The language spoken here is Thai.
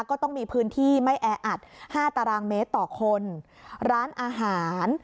ก็ต้องมีพื้นที่ไม่แออัดห้าตารางเมตรต่อคนร้านอาหาร